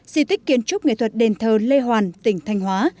di tích kiến trúc nghệ thuật đền thờ lê hoàn tỉnh thanh hóa